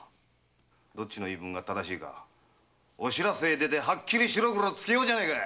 どっちの言い分が正しいかお白州へ出てはっきり白黒つけようじゃねえか！